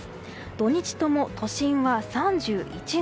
土日とも都心は３１度。